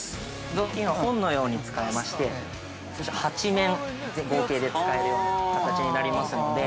雑巾を本のように使いまして８面、合計で使えるような形になりますので。